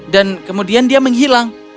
dan kemudian dia menghilang